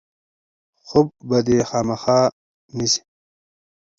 خوب به دی خامخا نیسي.